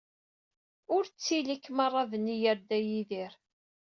Ur ttili-k ara d nniya a Dda Yidir.